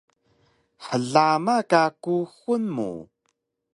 Hlama ka kuxul mu